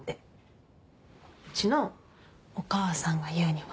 うちのお母さんが言うには。